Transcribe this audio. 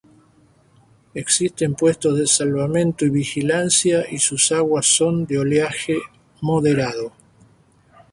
Existen puestos de salvamento y vigilancia y sus aguas son de oleaje moderado.